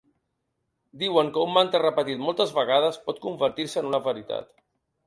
Diuen que un mantra repetit moltes vegades pot convertir-se en una veritat.